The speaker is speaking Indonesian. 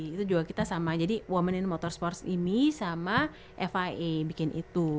itu juga kita sama jadi women in motorsports ini sama fia bikin itu